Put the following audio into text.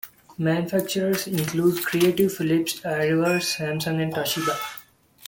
Manufacturers include Creative, Philips, iriver, Samsung, and Toshiba.